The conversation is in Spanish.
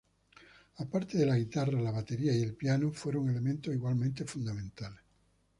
Aparte de la guitarra, la batería y el piano fueron elementos igualmente fundamentales.